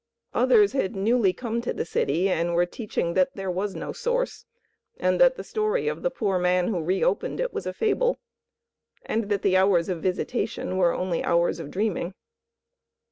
Others had newly come to the city and were teaching that there was no Source, and that the story of the poor man who reopened it was a fable, and that the hours of visitation were only hours of dreaming.